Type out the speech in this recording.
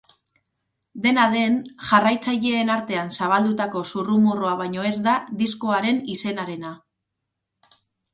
Dena den, jarraitzaileen artean zabaldutako zurrumurrua baino ez da diskoaren izenarena.